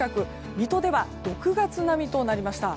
水戸では６月並みとなりました。